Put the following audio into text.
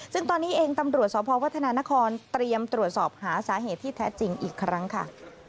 ซึ่งตอนนี้เองตำรวจสพวัฒนานครเตรียมตรวจสอบหาสาเหตุที่แท้จริงอีกครั้งค่ะ